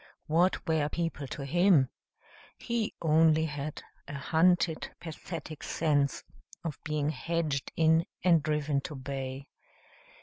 What were people to him? He only had a hunted, pathetic sense of being hedged in and driven to bay.